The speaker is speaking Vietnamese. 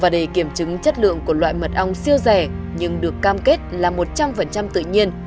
để kiểm chứng chất lượng của loại mật ong siêu rẻ nhưng được cam kết là một trăm linh tự nhiên